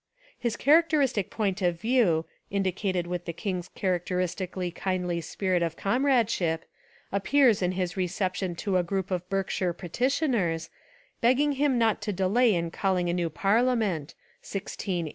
His char acteristic point of view, indicated with the king's characteristically kindly spirit of com radeship, appears in his reception to a group of Berkshire petitioners, begging him not to de lay in calling a new parliament ( 1680) .